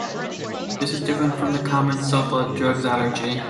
This is different from the common sulfa drugs allergy.